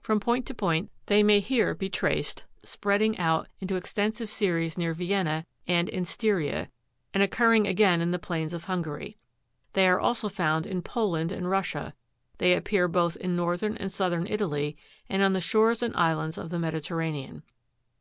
From point to point they may here be traced spreading out into extensive series near Vienna, and in Styria, and occurring again in the plains of Hungary ; they are also found in Poland and Russia ; they appear both in northern and southern Italy, and on the shores and islands of the Mediterra nean.